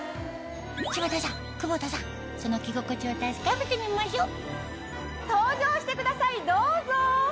柴田さん久保田さんその着心地を確かめてみましょう登場してくださいどうぞ！